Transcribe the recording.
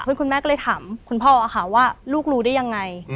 คุณแม่ก็เลยถามคุณพ่อค่ะว่าลูกรู้ได้ยังไง